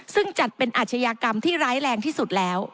ซึ่งจัดเป็นอาชญากรรมที่ร้ายแรงที่สุดแล้ว